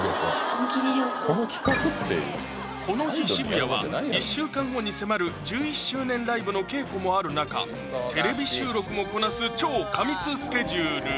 大喜利力をこの日渋谷は１週間後に迫る１１周年ライブの稽古もある中テレビ収録もこなす超過密スケジュール